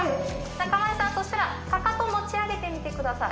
中丸さん、そしたらかかと持ち上げてみてください。